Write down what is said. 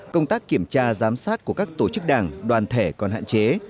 công tác kiểm tra giám sát của các tổ chức đảng đoàn thể còn hạn chế